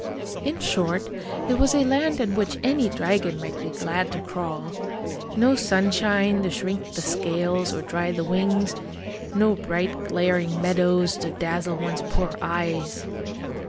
In short, it was a land in which any dragon might be glad to crawl : no sunshine to shrink the scales or dry the wings, no bright glaring meadows to dazzle one's poor eyes.